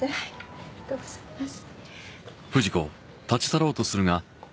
ありがとうございます